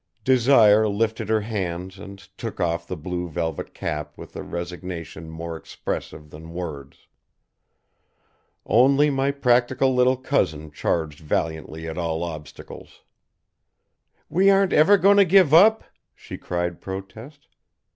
Desire lifted her hands and took off the blue velvet cap with a resignation more expressive than words. Only my practical little cousin charged valiantly at all obstacles. "We aren't ever going to give up?" she cried protest.